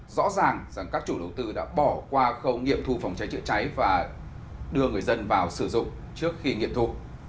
rõ ràng rằng các chủ đầu tư đã bỏ qua khâu nghiệm thu phòng cháy chữa cháy và đưa người dân vào sử dụng trước khi nghiệm thu